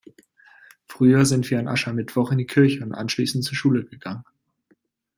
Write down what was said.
Früher sind wir an Aschermittwoch in die Kirche und anschließend zur Schule gegangen.